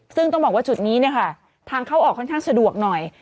ซึ่งต้องบอกว่าจุดนี้เนี่ยค่ะทางเข้าออกค่อนข้างสะดวกหน่อย